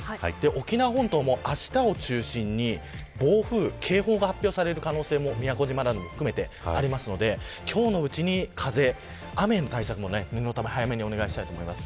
沖縄本島も、あしたを中心に暴風警報が発表される可能性が宮古島を含めてありますので今日のうちに風雨の対策も念のため早めにお願いします。